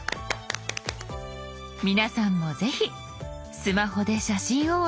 皆さんもぜひスマホで写真をお楽しみ下さい。